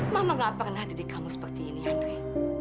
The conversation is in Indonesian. mama nggak pernah jadi kamu seperti ini andre